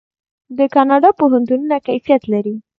د کاناډا پوهنتونونه کیفیت لري.